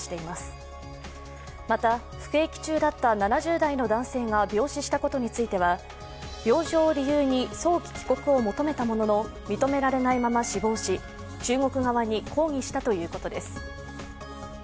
また服役中だった７０代の男性が病死したことについては病状を理由に早期帰国を求めたものの認められないまま死亡し、中国側に抗議したということです。